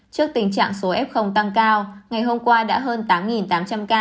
trước tình trạng số f tăng cao ngày hôm qua đã hơn tám tám trăm linh ca